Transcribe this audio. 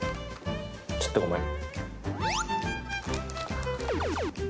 ちょっとごめん。